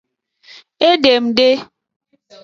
Edem de.